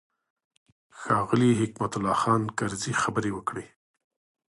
ښاغلي حکمت الله خان کرزي خبرې وکړې.